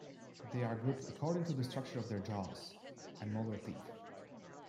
They are grouped according to the structure of their jaws and molar teeth.